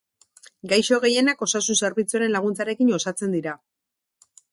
Gaixo gehienak osasun zerbitzuaren laguntzarekin osatzen dira.